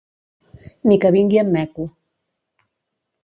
Ni que vingui en Meco